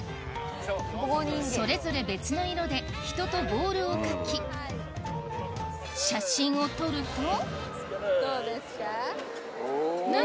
それぞれ別の色で人とボールを描き写真を撮るとどうですか？